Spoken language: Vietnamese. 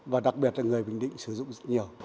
và đặc biệt là người bình định sử dụng rất nhiều